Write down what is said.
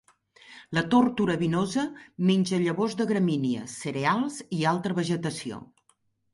La tórtora vinosa menja llavors de gramínies, cereals i altra vegetació.